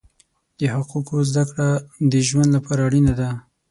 د حقوقو زده کړه د ژوند لپاره اړینه ده.